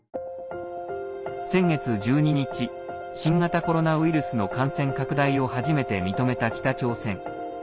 先月１２日新型コロナウイルスの感染拡大を初めて認めた北朝鮮。